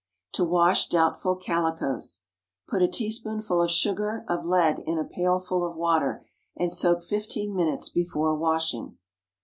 TO WASH DOUBTFUL CALICOES. Put a teaspoonful of sugar of lead into a pailful of water, and soak fifteen minutes before washing.